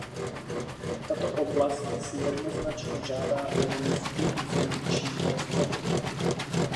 Tato oblast si jednoznačně žádá vědomosti i finanční prostředky.